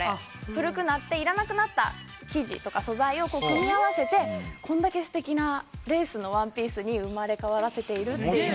古くなって要らなくなった生地とか素材を組み合わせてこれだけすてきなレースのワンピースに生まれ変わらせているっていう。